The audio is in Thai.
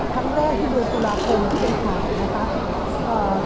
ทั้งแรกที่โดยโตราโคมที่เป็นภาพนะครับ